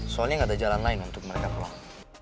soalnya nggak ada jalan lain untuk mereka pulang